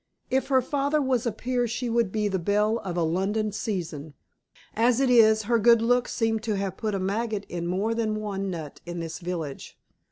If her father was a peer she would be the belle of a London season. As it is, her good looks seem to have put a maggot in more than one nut in this village."